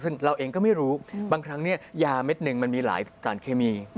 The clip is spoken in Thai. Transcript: ซึ่งเราเองก็ไม่รู้บางครั้งเนี่ยยาเม็ดหนึ่งมันมีหลายสารเคมี